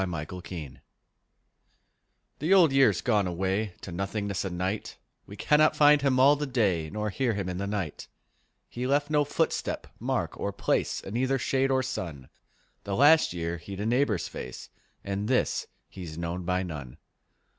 The Old Year The Old Year's gone away To nothingness and night: We cannot find him all the day Nor hear him in the night: He left no footstep, mark or place In either shade or sun: The last year he'd a neighbour's face, In this he's known by none.